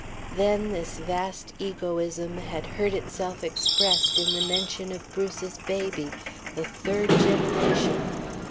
Then this vast egoism had heard itself expressed in the mention of Bruce's baby the third generation.